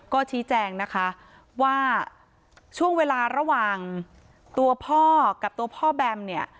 ก็ชี้แจงนะคะว่าช่วงเวลาระหว่างตัวพ่อกับตัวพ่อแบมเนี่ย